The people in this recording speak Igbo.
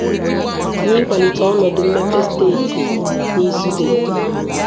na ịkwàlite ọnọdụ mmepe steeti n'izube.